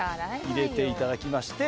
入れていただきまして。